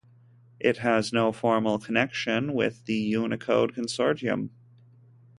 It has no formal connection with the Unicode Consortium.